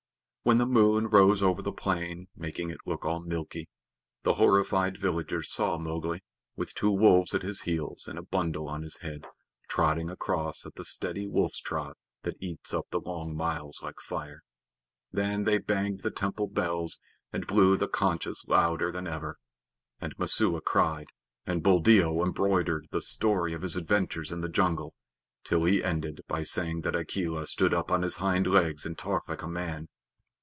When the moon rose over the plain, making it look all milky, the horrified villagers saw Mowgli, with two wolves at his heels and a bundle on his head, trotting across at the steady wolf's trot that eats up the long miles like fire. Then they banged the temple bells and blew the conches louder than ever. And Messua cried, and Buldeo embroidered the story of his adventures in the jungle, till he ended by saying that Akela stood up on his hind legs and talked like a man.